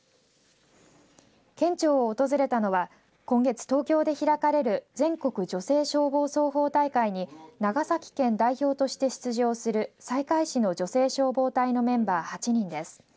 県庁を訪れたのは今月、東京で開かれる全国女性消防操法大会に長崎県代表として出場する西海市の女性消防隊のメンバー８人です。